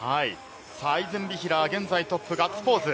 アイゼンビヒラー、現在トップ、ガッツポーズ。